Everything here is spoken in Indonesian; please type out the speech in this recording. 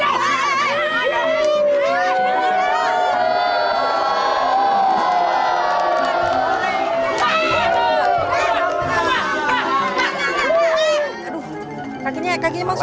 aduh kakinya kakinya masukin